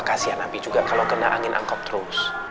kasian abi juga kalau kena angin angkop terus